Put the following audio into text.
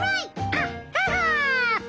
アッハハ！